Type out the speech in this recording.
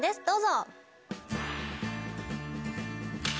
どうぞ！